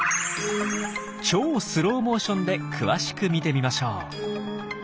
超スローモーションで詳しく見てみましょう。